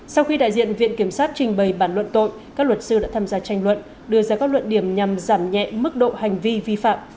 sau khi đại diện viện kiểm sát trình bày bản luận tội các luật sư đã tham gia tranh luận đưa ra các luận điểm nhằm giảm nhẹ mức độ hành vi vi phạm cho các bị cáo